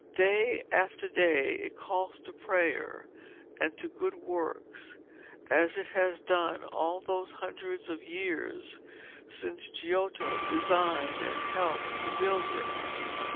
Day after day it calls to prayer and to good works, as it has done all these hundreds of years since Giotto designed and helped to build it.